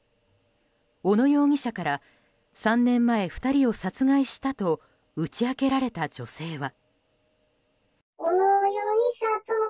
小野容疑者から３年前２人を殺害したと打ち明けられた女性は。